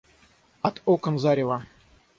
От окон зарево.